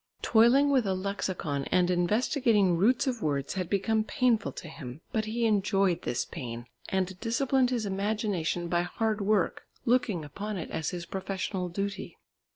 Toiling with a lexicon and investigating roots of words had become painful to him, but he enjoyed this pain, and disciplined his imagination by hard work, looking upon it as his professional duty.